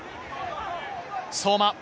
相馬。